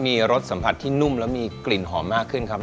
มีรสสัมผัสที่นุ่มและมีกลิ่นหอมมากขึ้นครับ